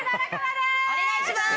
お願いします。